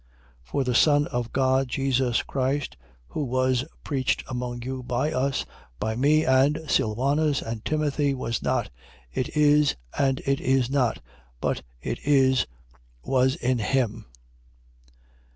1:19. For the Son of God, Jesus Christ, who was preached among you by us, by me and Sylvanus and Timothy, was not: It is and It is not. But, It is, was in him.